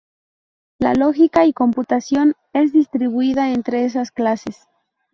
La lógica y computación es distribuida entre esas clases.